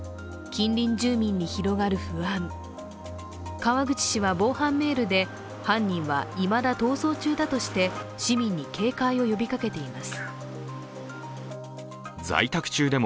川口市は防犯メールで犯人はいまだ逃走中だとして市民に警戒を呼びかけています。